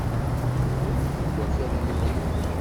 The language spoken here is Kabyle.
Bnumt deg wakal-nwent.